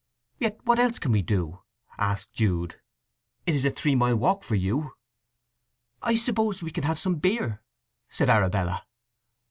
"Yet what else can we do?" asked Jude. "It is a three mile walk for you." "I suppose we can have some beer," said Arabella.